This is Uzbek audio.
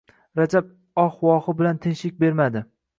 Rajab oh-vohi bilan tinchlik bermadi